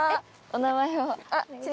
お名前を。